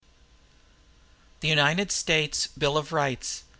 The United States Bill of Rights.